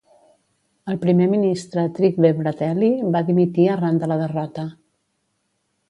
El primer ministre Trygve Bratteli va dimitir arran de la derrota.